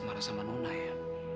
marah sama nona ya